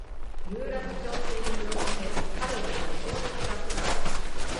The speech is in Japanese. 有楽町線に乗って彼は学校に向かった